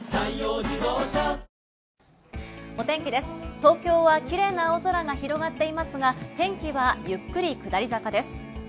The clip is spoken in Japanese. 東京はきれいな青空が広がっていますが、天気はゆっくり下り坂です。